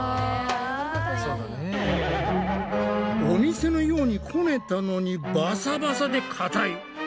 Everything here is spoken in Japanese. お店のようにこねたのにバサバサでかたい。